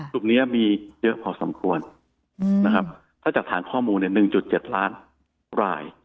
ตรงนี้มีเยอะพอสมควรถ้าจากฐานข้อมูล๑๗ล้านราย